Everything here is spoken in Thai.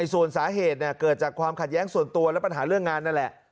ส่วนสาเหตุเกิดจากความขัดแย้งส่วนตัวและปัญหาเรื่องงานนั่นแหละ